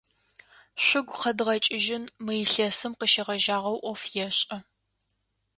Шъугу къэдгъэкӏыжьын, мы илъэсым къыщегъэжьагъэу ӏоф ешӏэ.